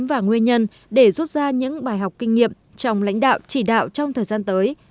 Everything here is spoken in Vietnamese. và nguyên nhân để rút ra những bài học kinh nghiệm trong lãnh đạo chỉ đạo trong thời gian tới